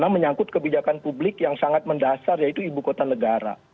menyangkut kebijakan publik yang sangat mendasar yaitu ibu kota negara